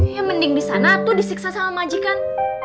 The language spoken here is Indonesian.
ya mending di sana tuh disiksa sama majikan